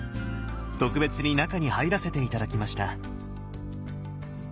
特別に中に入らせて頂きました。